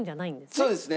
そうですね。